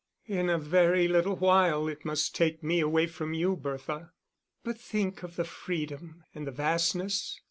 "In a very little while it must take me away from you, Bertha." "But think of the freedom and the vastness.